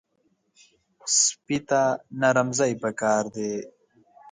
سپي ته نرم ځای پکار دی.